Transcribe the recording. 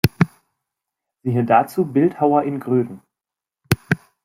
Siehe dazu Bildhauer in Gröden.